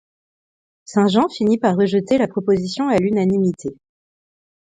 Saint-Jean finit par rejeter la proposition à l'unanimité.